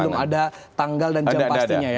jadi belum ada tanggal dan jam pastinya ya